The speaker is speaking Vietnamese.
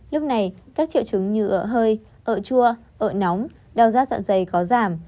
lúc này các triệu chứng như ợ hơi ợ chua ợ nóng đau rát dạ dày có giảm